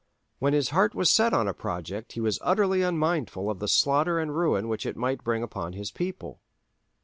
When his heart was set on a project he was utterly unmindful of the slaughter and ruin which it might bring upon his people.